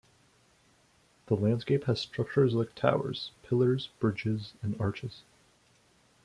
The landscape has structures like towers, pillars, bridges and arches.